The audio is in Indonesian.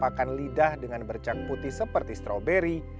a untuk penampakan lidah dengan bercak putih seperti strawberry